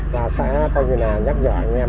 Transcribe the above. và sẽ coi như là nhắc nhở anh em